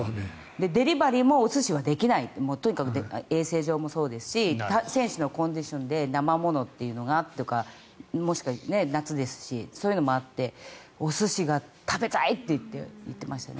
デリバリーもお寿司はできない衛生上もそうですし選手のコンディションで生ものとかもしくは夏ですしそういうのもあってお寿司が食べたいと言っていましたね。